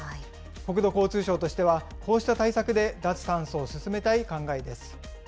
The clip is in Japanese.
国土交通省としては、こうした対策で脱炭素を進めたい考えです。